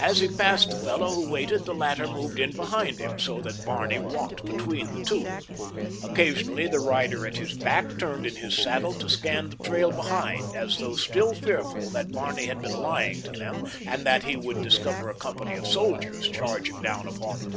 As he passed the fellow who waited the latter moved in behind him, so that Barney walked between the two. Occasionally the rider at his back turned in his saddle to scan the trail behind, as though still fearful that Barney had been lying to them and that he would discover a company of soldiers charging down upon them.